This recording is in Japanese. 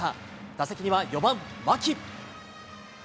打席には４番牧。